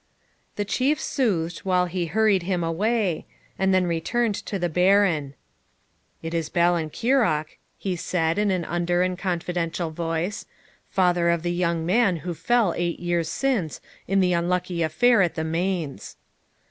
The Chief soothed while he hurried him away; and then returned to the Baron. 'It is Ballenkeiroch,' he said, in an under and confidential voice, 'father of the young man who fell eight years since in the unlucky affair at the mains.'